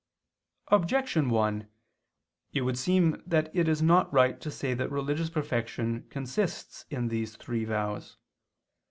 Objection 1: It would seem that it is not right to say that religious perfection consists in these three vows.